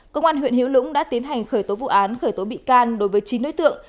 công an huyện hữu lũng đã tiến hành khởi tố vụ án khởi tố bị can đối với chín đối tượng